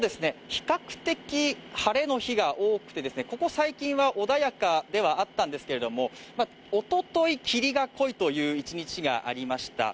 比較的晴れの日が多くて、ここ最近は穏やかではあったんですけどもおととい霧が濃いという一日がありました。